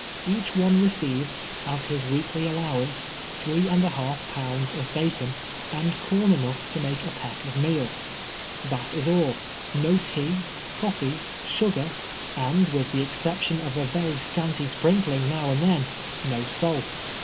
Each one re ceives, as his weekly allowance, three and a half pounds of bacon, and corn enough to make a j^eck of meal. That is all — no tea, coflee, sugar, and with the exception of a very scanty sprinkling now and CABIiSr LIFE. 169 then, no salt.